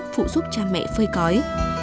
phụ giúp cha mẹ phơi cói